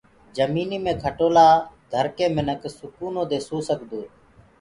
جمينيٚ مي کٽولآ ڌرڪي منک سڪونو دي سو سگدوئي